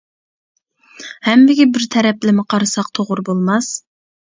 ھەممىگە بىر تەرەپلىمە قارىساق توغرا بولماس.